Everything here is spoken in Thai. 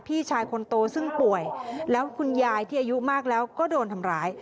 พี่ชายคนโตซึ่งป่วยแล้วคุณยายที่อายุมากแล้วก็โดนทำร้าย